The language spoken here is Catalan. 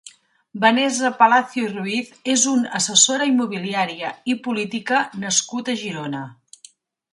Vanesa Palacios Ruiz és un assessora immobiliària i política nascut a Girona.